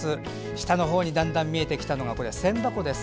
下のほうにだんだん見えてきたのは千波湖です。